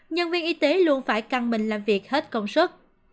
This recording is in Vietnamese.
nhân viên y tế luôn phải căng mình làm việc hết công suất